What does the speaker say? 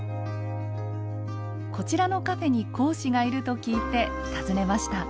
こちらのカフェに講師がいると聞いて訪ねました。